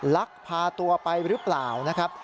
ลักพาตัวไปหรือเปล่านะครับ